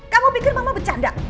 kamu pikir mama bercanda